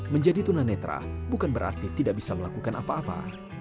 menjadi tunanetra bukan berarti tidak bisa melakukan apa apa